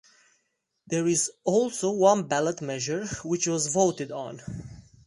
There is also one ballot measure which was voted on.